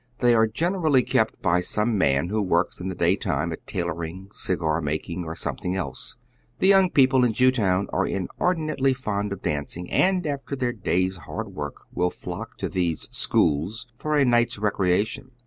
They are generally kept by some man who works in tiie daytime at tailoring, cigarmaking, or something else. The young people in Jewtown are inordinately fond of dancing, and after their day's hard work will flock to these " schools " for a night's recrea tion.